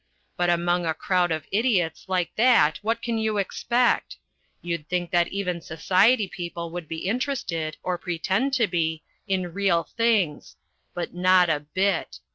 But among a crowd of idiots like that what can you expect? You'd think that even society people would be interested, or pretend to be, in real things. But not a bit.